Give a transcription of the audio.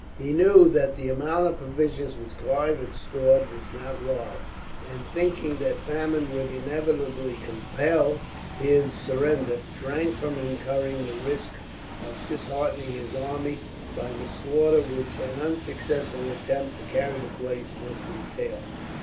He knew that the amount of provisions which Clive had stored was not large, and thinking that famine would inevitably compel his surrender, shrank from incurring the risk of disheartening his army, by the slaughter which an unsuccessful attempt to carry the place must entail.